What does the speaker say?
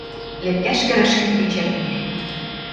Лепкӓшкӹ рӹшкӹн кечӓлт миӓ.